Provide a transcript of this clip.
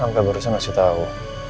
angga barusan ngasih tau